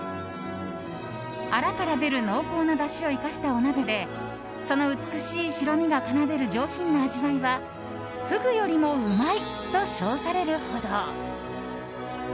アラから出る濃厚なだしを生かしたお鍋でその美しい白身が奏でる上品な味わいはフグよりもうまいと称されるほど。